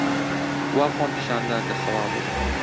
وا خۆم پیشان دا کە خەواڵووم.